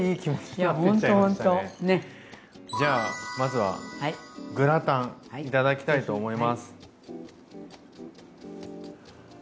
じゃあまずはグラタンいただきたいと思います。